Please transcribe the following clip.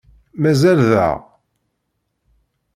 Mazal daɣ?